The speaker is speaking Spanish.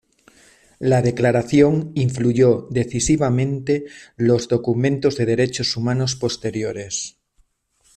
La Declaración influyó decisivamente los documentos de derechos humanos posteriores.